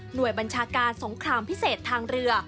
โดยบัญชาการสงครามพิเศษทางเรือ